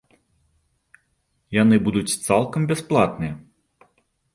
Яны будуць цалкам бясплатныя.